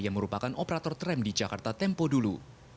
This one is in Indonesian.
yang merupakan operator tram di jakarta tempo dulu